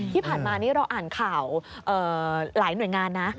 ที่ผ่านมานี่เราอ่านข่าวหลายหน่วยงานนะ